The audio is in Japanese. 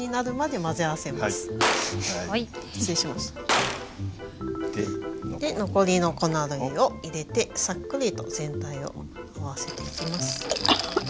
で残りの粉類を入れてサックリと全体を合わせていきます。